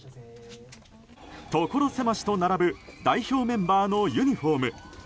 所狭しと並ぶ代表メンバーのユニホーム。